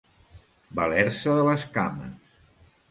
Valer-se de les cames.